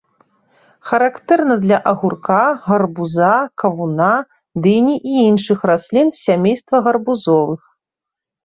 Характэрна для агурка, гарбуза, кавуна, дыні і іншых раслін з сямейства гарбузовых.